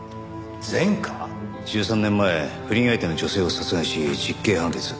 １３年前不倫相手の女性を殺害し実刑判決。